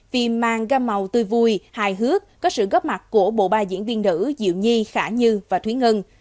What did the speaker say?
phim mang gam màu tươi vui hài hước có sự góp mặt của bộ ba diễn viên nữ diệu nhi khả như và thúy ngân